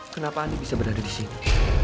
kenapa anda bisa berada di sini